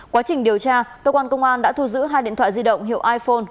quá trình điều tra cơ quan công an đã thu giữ hai điện thoại di động hiệu iphone